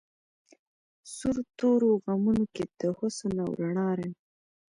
سور تورو غمونو کی د حسن او رڼا رنګ